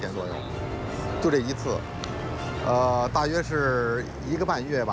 ตลอด๖วันค่อยคือ๑๕วันค่อย